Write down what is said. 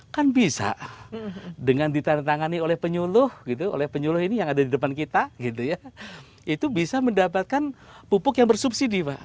kan bisa dengan ditandatangani oleh penyuluh gitu oleh penyuluh ini yang ada di depan kita gitu ya itu bisa mendapatkan pupuk yang bersubsidi pak